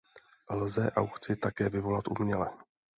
Lze aukci také vyvolat uměle.